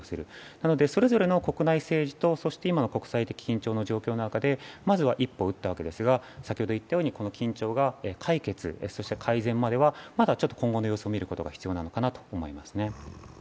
なので、それぞれの国内政治と国際的な緊張の中で、まずは一歩打ったわけですが、この緊張が解決、そして改善まではまだ今後の様子を見ることが必要じゃないかと思いますね。